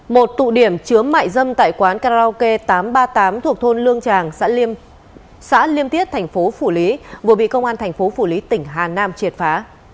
một tụ điểm chứa mại dâm tại quán karaoke tám trăm ba mươi tám thuộc thôn lương tràng xã liêm tiết thành phố phủ lý vừa bị công an thành phố phủ lý tỉnh hà nam triệt phá